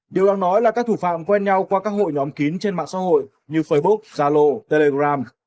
điều đáng nói là các thủ phạm quen nhau qua các hội nhóm kín trên mạng xã hội như facebook zalo telegram